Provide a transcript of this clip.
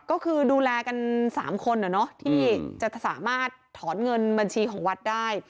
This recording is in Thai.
ก็คือดูแลกันสามคนเหรอเนอะอืมที่จะสามารถถอนเงินบัญชีของวัดได้